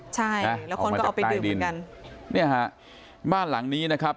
ใช่แล้วคนก็เอาไปดื่มเหมือนกันเนี่ยฮะบ้านหลังนี้นะครับ